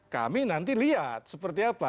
kami nanti lihat seperti apa